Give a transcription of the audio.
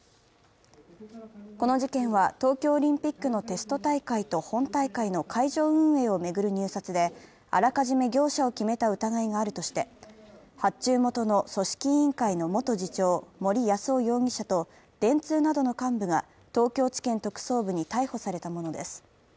この事件は、東京オリンピックのテスト大会と本大会の会場運営を巡る入札で、あらかじめ業者を決めた疑いがあるとして発注元の組織委員会の元次長、森泰夫容疑者と電通などの幹部が東京地検特捜部に逮捕されたものです。